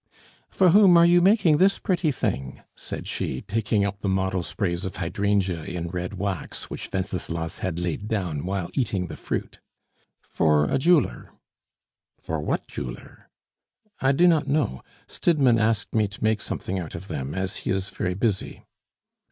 "For whom are you making this pretty thing?" said she, taking up the model sprays of hydrangea in red wax which Wenceslas had laid down while eating the fruit. "For a jeweler." "For what jeweler?" "I do not know. Stidmann asked me to make something out of them, as he is very busy."